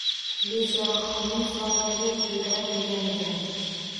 -Bechora qorning sovug’ida dildirab yurganakan…